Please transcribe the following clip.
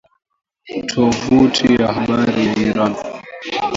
Tovuti ya habari ya Iran